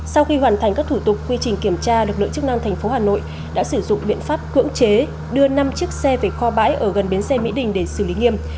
sau khi hoàn thành các thủ tục quy trình kiểm tra lực lượng chức năng tp hà nội đã sử dụng biện pháp cưỡng chế đưa năm chiếc xe về kho bãi ở gần bến xe mỹ đình để xử lý nghiêm